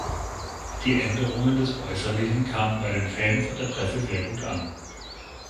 Die Änderungen des Äußerlichen kamen bei den Fans und der Presse sehr gut an.